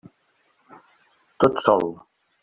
Tot sol.